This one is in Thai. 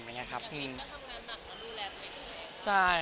อย่างนี้ก็ทำงานหนักแล้วดูแลตัวเอง